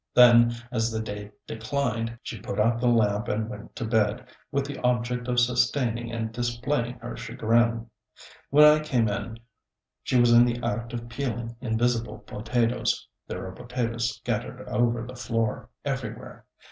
Then, as the day declined, she put out the lamp and went to bed, with the object of sustaining and displaying her chagrin. When I came in she was in the act of peeling invisible potatoes; there are potatoes scattered over the floor, everywhere.